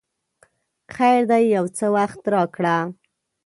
خیر دی یو څه وخت راکړه!